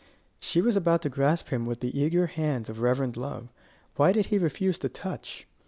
She was about to grasp him with the eager hands of reverent love: why did he refuse the touch?